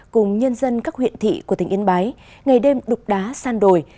cùng nhân dân các huyện thị của tỉnh yên bái ngày đêm đục đá san đồi